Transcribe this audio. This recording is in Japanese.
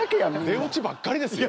出オチばっかりですよ。